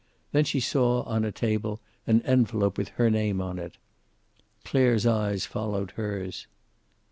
Then she saw, on a table, an envelope with her name on it. Clare's eyes followed hers.